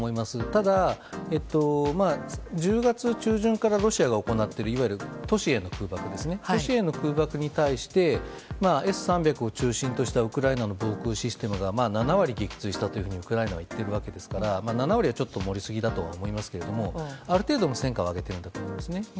ただ１０月中旬からロシアが行っている都市への空爆に対してＳ３００を中心としたウクライナの防空システムが７割撃墜したとウクライナは言っていますが７割は盛りすぎだと思いますけどある程度の戦果は挙げていると思います。